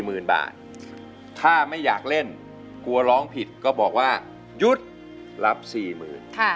หมื่นบาทถ้าไม่อยากเล่นกลัวร้องผิดก็บอกว่าหยุดรับสี่หมื่น